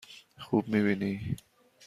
خوب می بینی؟